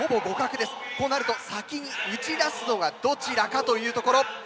こうなると先に打ち出すのはどちらかというところ。